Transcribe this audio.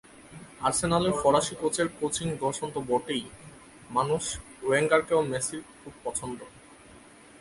আর্সেনালের ফরাসি কোচের কোচিং দর্শন তো বটেই, মানুষ ওয়েঙ্গারকেও মেসির খুব পছন্দ।